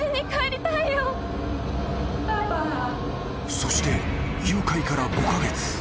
［そして誘拐から５カ月］